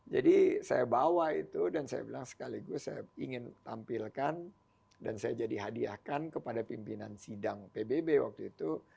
jadi saya bawa itu dan saya bilang sekali gue saya ingin tampilkan dan saya jadi hadiahkan kepada pimpinan sidang pbb waktu itu